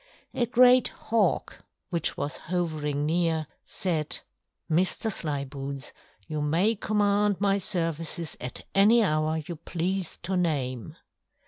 A great Hawk, which was hovering near, said: "Mr. Slyboots, you may command my services at any hour you please to name."